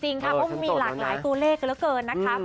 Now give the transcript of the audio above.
เพราะมันมีหลากหลายตัวเลขกันเท่าไร